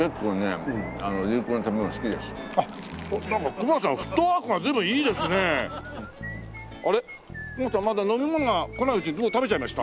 隈さんまだ飲み物が来ないうちにもう食べちゃいました？